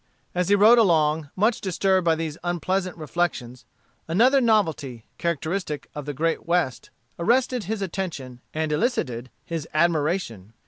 As he rode along, much disturbed by these unpleasant reflections, another novelty, characteristic of the Great West, arrested his attention and elicited his admiration.